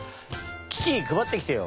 キキくばってきてよ。